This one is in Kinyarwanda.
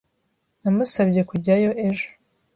Namusabye kujyayo ejo.